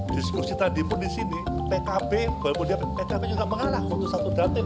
diskusi tadi pun di sini pkb pkb juga mengalah untuk satu dating